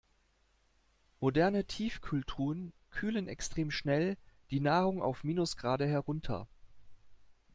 Moderne Tiefkühltruhen kühlen extrem schnell die Nahrung auf Minusgrade herunter.